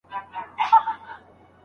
هغه واردات چې پخوا کېدل اوس نه شته.